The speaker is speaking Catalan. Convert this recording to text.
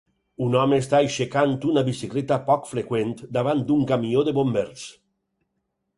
Un home està aixecant una bicicleta poc freqüent davant d'un camió de bombers.